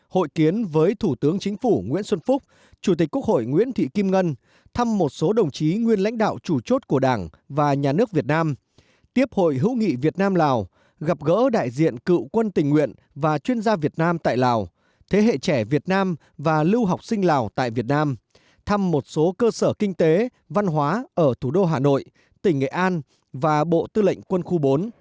hội kiến với thủ tướng chính phủ nguyễn xuân phúc chủ tịch quốc hội nguyễn thị kim ngân thăm một số đồng chí nguyên lãnh đạo chủ chốt của đảng và nhà nước việt nam tiếp hội hữu nghị việt nam lào gặp gỡ đại diện cựu quân tình nguyện và chuyên gia việt nam tại lào thế hệ trẻ việt nam và lưu học sinh lào tại việt nam thăm một số cơ sở kinh tế văn hóa ở thủ đô hà nội tỉnh nghệ an và bộ tư lệnh quân khu bốn